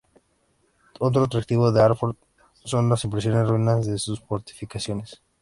Otro atractivo de Altdorf son las impresionantes ruinas de sus fortificaciones.